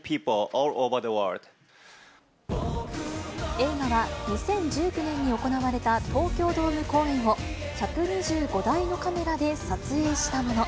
映画は、２０１９年に行われた東京ドーム公演を１２５台のカメラで撮影したもの。